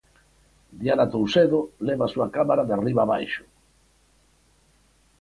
Diana Toucedo leva a súa cámara de arriba a abaixo.